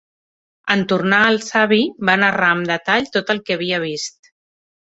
En tornar al savi, va narrar amb detall tot el que havia vist.